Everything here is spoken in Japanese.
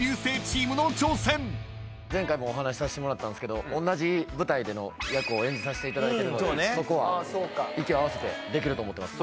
前回もお話しさせてもらったんすけどおんなじ舞台での役を演じさせていただいてるのでそこは息を合わせてできると思ってます。